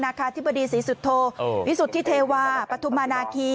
นาคาธิบดีศรีสุทธโธเออวิสุทธิเทวาปัทธุมานาคี